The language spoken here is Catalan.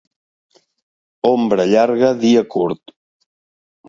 Ombra llarga, dia curt.